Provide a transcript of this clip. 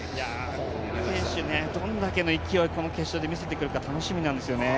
この選手、どれだけの勢いをこの決勝で見せてくるか楽しみですよね。